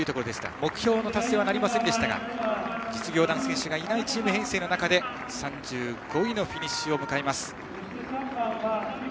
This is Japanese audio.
目標の達成はなりませんでしたが実業団選手がいないチーム編成の中で３５位のフィニッシュを迎えます。